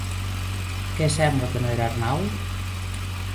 Què sembla que no era Arnau?